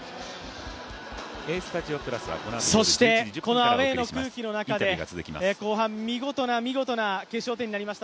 このアウェーの空気の中で、後半見事な見事な決勝点となりました。